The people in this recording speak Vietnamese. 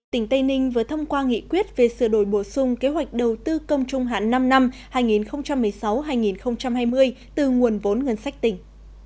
tỉnh tây ninh vừa thông qua nghị quyết về sửa đổi bổ sung kế hoạch đầu tư công trung hạn năm năm hai nghìn một mươi sáu hai nghìn hai mươi từ nguồn vốn ngân sách tỉnh